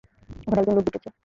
ওখানে একজন লোক ঢুকেছে।